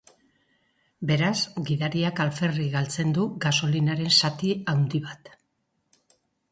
Beraz gidariak alferrik galtzen du gasolinaren zati handi bat.